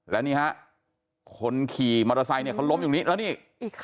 แล้วนี้คะคนขี่มอเตอร์ไซค์ก็ล้มอยู่นี่แล้วนี้ที่มา